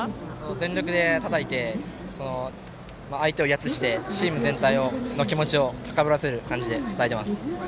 全力でたたいてチーム全体の気持ちを高ぶらせる気持ちでたたいています。